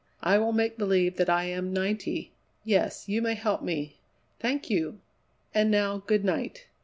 I will make believe that I am ninety! Yes, you may help me. Thank you! And now good night.